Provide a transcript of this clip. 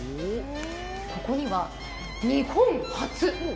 ここには日本初